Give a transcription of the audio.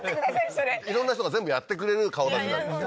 それ色んな人が全部やってくれる顔だちなんですよ